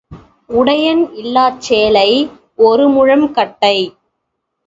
உடையன் இல்லாச் சேலை ஒருமுழம் கட்டை.